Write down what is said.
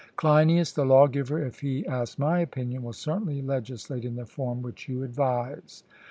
CLEINIAS: The lawgiver, if he asks my opinion, will certainly legislate in the form which you advise.